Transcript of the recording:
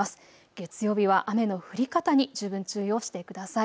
月曜日は雨の降り方に十分注意をしてください。